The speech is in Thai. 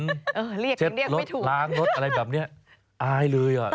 เรียกไม่ถูกเช็ครถล้างรถอะไรแบบนี้อายเลยอ่ะ